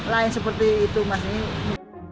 lain seperti itu mas